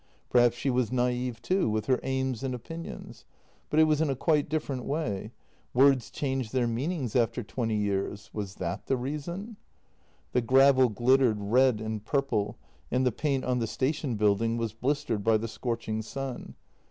Perhaps she was naive too — with her aims and opinions — but it was in a quite different way. Words change their mean ings after twenty years — was that the reason? The gravel glittered red and purple, and the paint on the station building was blistered by the scorching sun.